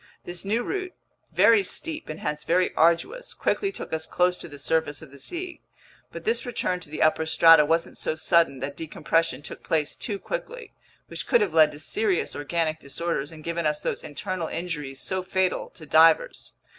This new route, very steep and hence very arduous, quickly took us close to the surface of the sea. But this return to the upper strata wasn't so sudden that decompression took place too quickly, which could have led to serious organic disorders and given us those internal injuries so fatal to divers.